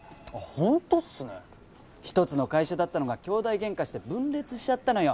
ホントっすね一つの会社だったのが兄弟げんかして分裂しちゃったのよ